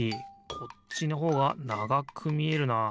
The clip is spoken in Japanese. こっちのほうがながくみえるなあ。